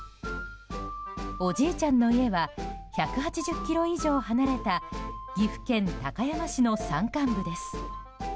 おじいちゃんの家は１８０ｋｍ以上離れた岐阜県高山市の山間部です。